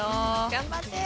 頑張って。